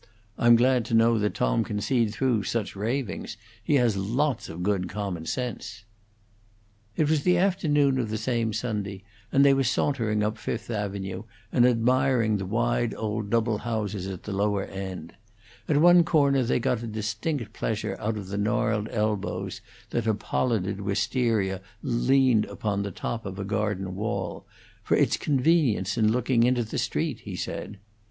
"I'm glad to know that Tom can see through such ravings. He has lots of good common sense." It was the afternoon of the same Sunday, and they were sauntering up Fifth Avenue, and admiring the wide old double houses at the lower end; at one corner they got a distinct pleasure out of the gnarled elbows that a pollarded wistaria leaned upon the top of a garden wall for its convenience in looking into the street, he said.